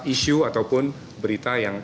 isu ataupun berita yang